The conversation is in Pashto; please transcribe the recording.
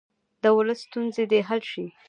د ولس ستونزې دې حل شي.